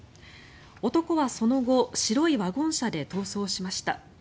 男はその後、白いワゴン車で逃走しました。